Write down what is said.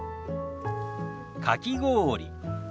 かき氷。